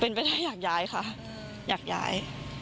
เป็นไปได้อยากย้ายค่ะอยากย้าย